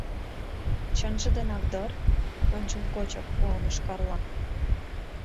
— Чынже денак дыр! — ончылгочак куаныш Карла.